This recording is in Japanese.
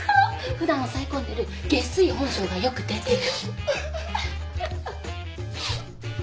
普段押さえ込んでるゲスい本性がよく出てる。